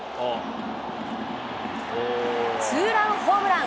ツーランホームラン。